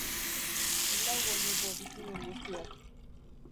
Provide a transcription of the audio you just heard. Lau oineko bizidun guztiak.